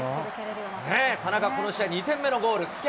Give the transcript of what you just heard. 田中、この試合２点目のゴール。